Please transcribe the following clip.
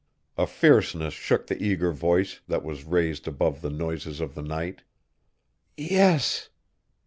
A fierceness shook the eager voice, that was raised above the noises of the night. "Yes!"